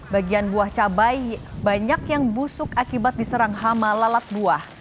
bagian buah cabai banyak yang busuk akibat diserang hama lalat buah